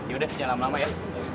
yaudah jangan lama lama ya